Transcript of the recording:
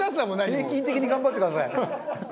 平均的に頑張ってください。